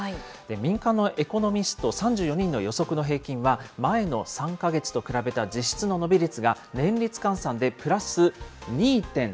民間のエコノミスト３４人の予測の平均は、前の３か月と比べた実質の伸び率が、年率換算でプラス２．７４％。